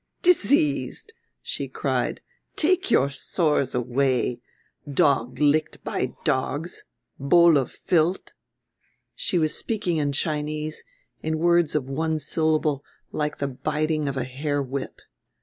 "Diseased," she cried, "take your sores away! Dog licked by dogs. Bowl of filth," she was speaking in Chinese, in words of one syllable like the biting of a hair whip.